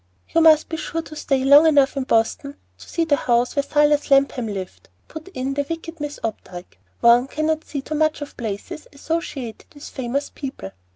"You must be sure to stay long enough in Boston to see the house where Silas Lapham lived," put in the wicked Miss Opdyke. "One cannot see too much of places associated with famous people."